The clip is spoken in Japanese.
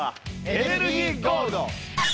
エネルギーゴールド！